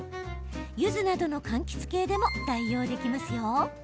ゆずなどのかんきつ系でも代用できます。